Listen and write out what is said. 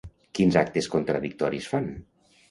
Quins actes contradictoris fan?